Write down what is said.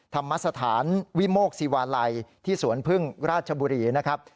ธรรมสถานวิโมกศิวาลัยที่สวนพึ่งราชบุรีนะครับ